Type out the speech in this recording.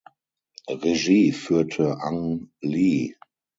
Regie führte Ang Lee.